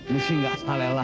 mesti gak salah lagi